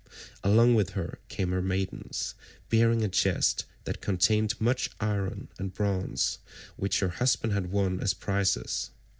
Along with her came her maidens, bearing a chest that contained much iron and bronze which her husband had won as prizes.